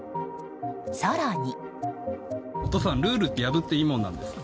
更に。